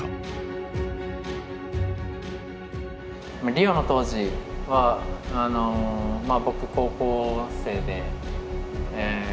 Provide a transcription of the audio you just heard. リオの当時は僕高校生で。